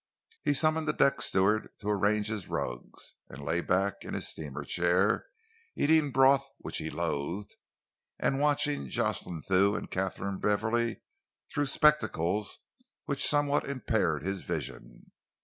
He summoned the deck steward to arrange his rugs, and lay back in his steamer chair, eating broth which he loathed, and watching Jocelyn Thew and Katharine Beverley through spectacles which somewhat impaired his vision.